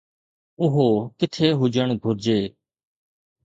اهو ڪٿي هجڻ گهرجي؟